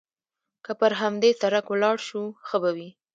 که پر همدې سړک ولاړ شو، ښه به وي.